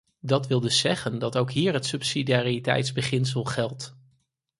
Dat wil dus zeggen dat ook hier het subsidiariteitsbeginsel geldt.